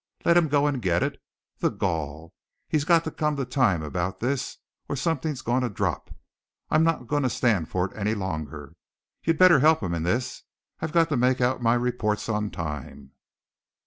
Let him go and get it. The gall! He's got to come to time about this, or something's going to drop. I'm not going to stand it any longer. You'd better help him in this. I've got to make out my reports on time."